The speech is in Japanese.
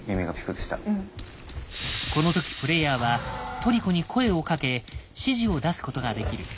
この時プレイヤーはトリコに声をかけ指示を出すことができる。